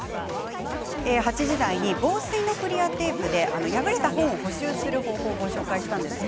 ８時台に防水のクリアテープで破れた本を補修する方法をご紹介しました。